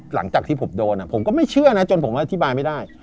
หลังจากที่ผมโดนผมก็ไม่เชื่อนะจนผมอธิบายไม่ได้